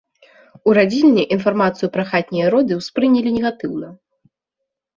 У радзільні інфармацыю пра хатнія роды ўспрынялі негатыўна.